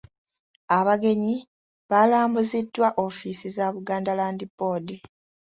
Abagenyi baalambuziddwa ofiisi za Buganda Land Board.